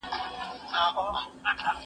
سفیران چیرته د بندیانو حقونه څاري؟